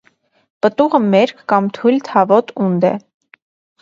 Պտուղը մերկ կամ թույլ թավոտ ունդ է։